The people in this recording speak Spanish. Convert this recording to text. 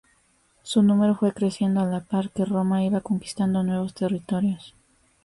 Su número fue creciendo a la par que Roma iba conquistando nuevos territorios.